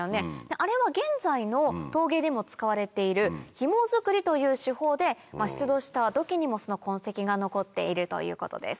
あれは現在の陶芸でも使われている「ひも作り」という手法で出土した土器にもその痕跡が残っているということです。